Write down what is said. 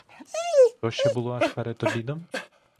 То ще було аж перед обідом?